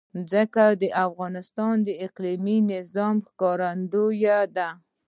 ځمکه د افغانستان د اقلیمي نظام ښکارندوی ده.